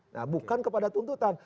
nah bukan kepada tuntutan